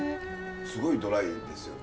すごいドライですよね？